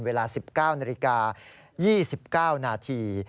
เวลา๑๙นาฬิกา๒๙นาที